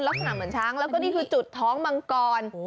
แล้วก็นี่คือจุดท้องมังกร